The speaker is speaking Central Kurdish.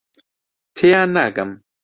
تێیان ناگەم.